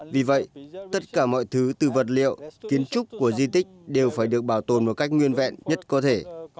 vì vậy tất cả mọi thứ từ vật liệu kiến trúc của di tích đều phải được bảo tồn một cách nguyên vẹn nhất có thể